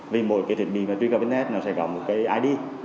vì mỗi cái thiết bị truy cập internet nó sẽ gọi một cái id